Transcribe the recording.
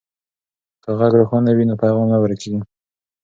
که غږ روښانه وي نو پیغام نه ورکیږي.